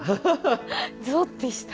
ぞってした。